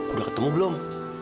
udah ketemu belum